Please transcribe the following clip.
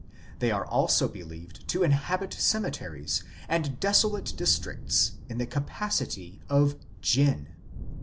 They are also believed to inhabit cemeteries and desolate districts in the capacity of Jinn.